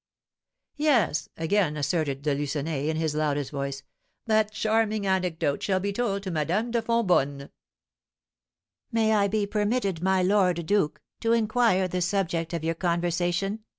"Yes," again asserted De Lucenay, in his loudest voice, "that charming anecdote shall be told to Madame de Fonbonne." "May I be permitted, my lord duke, to inquire the subject of your conversation?"